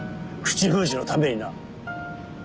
口封じのためにな。